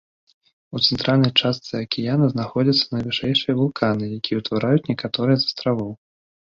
У цэнтральнай частцы акіяна знаходзяцца найвышэйшыя вулканы, якія ўтвараюць некаторыя з астравоў.